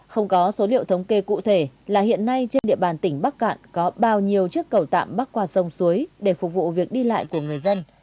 không có số liệu thống kê cụ thể là hiện nay trên địa bàn tỉnh bắc cạn có bao nhiêu chiếc cầu tạm bắc qua sông suối để phục vụ việc đi lại của người dân